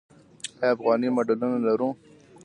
آیا افغاني ماډلونه لرو؟